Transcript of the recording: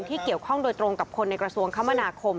ที่เกี่ยวข้องโดยตรงกับคนในกระทรวงคมนาคม